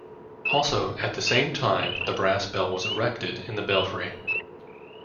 Also, at the same time the brass bell was erected in the belfry.